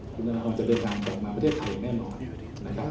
คุณธนทรจะเดินทางกลับมาประเทศไทยอย่างแน่นอนนะครับ